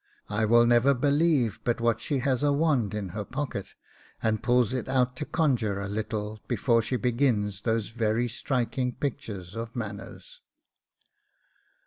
'I will never believe but what she has a wand in her pocket, and pulls it out to conjure a little before she begins those very striking pictures of manners.